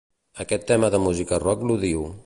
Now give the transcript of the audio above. Aquest tema de música rock l'odio.